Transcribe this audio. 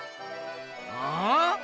ああ！